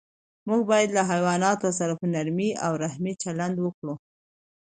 موږ باید له حیواناتو سره په نرمۍ او رحم چلند وکړو.